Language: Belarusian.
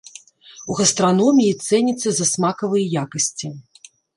У гастраноміі цэніцца за смакавыя якасці.